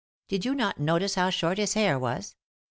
Did you not notice how short his hair was